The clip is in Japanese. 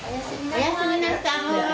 おやすみなさい。